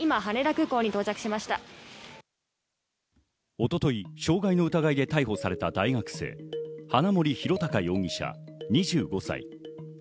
一昨日、傷害の疑いで逮捕された大学生、花森弘卓容疑者、２５歳。